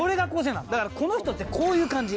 だからこの人ってこういう感じ。